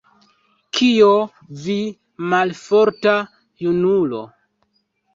Kio, vi, malforta junulo?